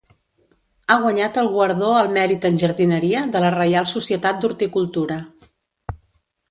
Ha guanyat el Guardó al Mèrit en Jardineria de la Reial Societat d'Horticultura.